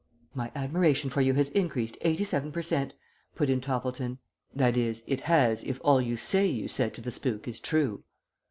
'" "My admiration for you has increased eighty seven per cent.," put in Toppleton, "that is, it has if all you say you said to the spook is true."